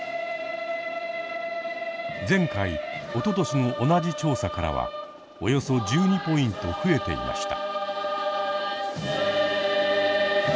前回おととしの同じ調査からはおよそ１２ポイント増えていました。